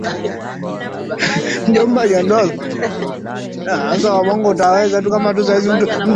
Kiutawala Jiji limegawanyika katika Halmashauri sita za Serikali za mitaa ambazo ni